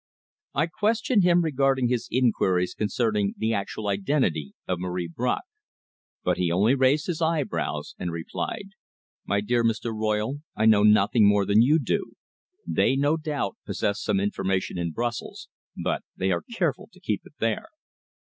I questioned him regarding his inquiries concerning the actual identity of Marie Bracq, but he only raised his eyebrows and replied: "My dear Mr. Royle, I know nothing more than you do. They no doubt possess some information in Brussels, but they are careful to keep it there."